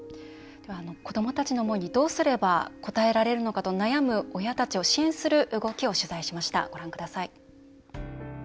子どもたちの思いにどうすれば応えられるのかと悩む親たちを支援する動きを取材しました、ご覧ください。